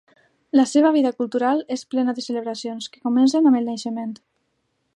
La seva vida cultural és plena de celebracions, que comencen amb el naixement.